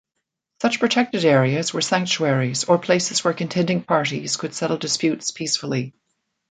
Such protected areas were sanctuaries, or places where contending parties could settle disputes peacefully.